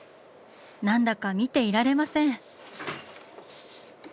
何だか見ていられません！